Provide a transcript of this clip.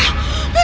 ini gak mungkin